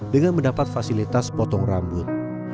dengan mendapat fasilitas potong rambut